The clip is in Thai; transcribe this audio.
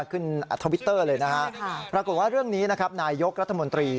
ทวิตเตอร์เลยนะฮะปรากฏว่าเรื่องนี้นะครับนายยกรัฐมนตรี